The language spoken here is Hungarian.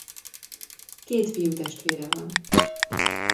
Két fiútestvére van.